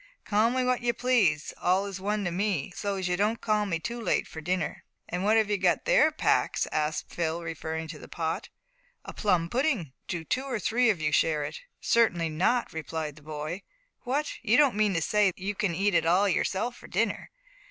Call me what you please, it's all one to me, so as you don't call me too late for dinner." "And what have you got there, Pax?" asked Phil, referring to the pot. "A plum pudding." "Do two or three of you share it?" "Certainly not," replied the boy. "What! you don't mean to say you can eat it all yourself for dinner?"